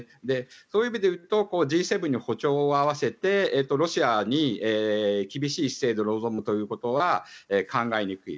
そういう意味でいうとＧ７に歩調を合わせてロシアに厳しい姿勢で臨むということは考えにくい。